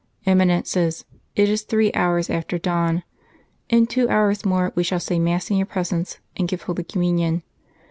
"Eminences, it is three hours after dawn. In two hours more We shall say mass in your presence, and give Holy Communion.